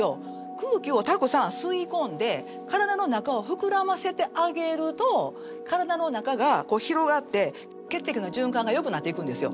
空気をたくさん吸い込んで体の中を膨らませてあげると体の中が広がって血液の循環がよくなっていくんですよ。